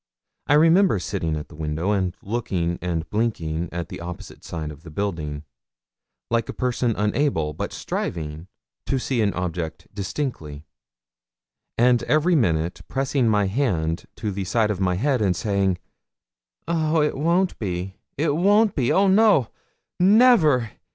I remember sitting at the window, and looking and blinking at the opposite side of the building, like a person unable but striving to see an object distinctly, and every minute pressing my hand to the side of my head and saying 'Oh, it won't be it won't be Oh no! never!